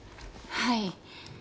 はい。